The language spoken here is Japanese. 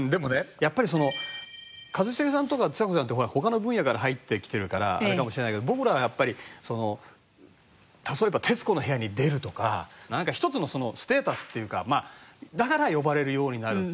やっぱり一茂さんとかちさ子さんってほら他の分野から入ってきてるからあれかもしれないけど僕らはやっぱり例えば『徹子の部屋』に出るとかなんか一つのステータスっていうかだから呼ばれるようになるって。